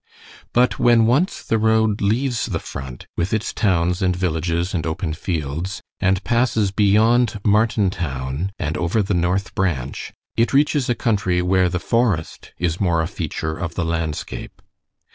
But when once the road leaves the Front, with its towns and villages and open fields, and passes beyond Martintown and over the North Branch, it reaches a country where the forest is more a feature of the landscape.